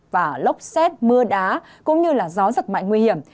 và lốc xét mưa đá cũng như gió giật mạnh nguy hiểm